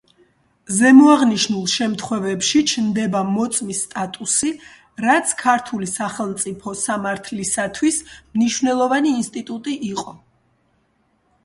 ზემოთაღნიშნულ შემთხვევებში ჩნდება „მოწმის სტატუსი“, რაც ქართული სახელმწიფო სამართლისათვის მნიშვნელოვანი ინსტიტუტი იყო.